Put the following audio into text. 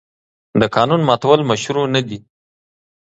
د قانون ماتول مشروع نه دي.